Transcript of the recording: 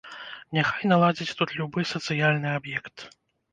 Няхай наладзяць тут любы сацыяльны аб'ект.